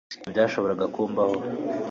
ibyo byashoboraga kumbaho